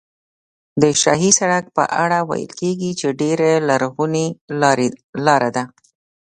د شاهي سړک په اړه ویل کېږي چې ډېره لرغونې لاره ده.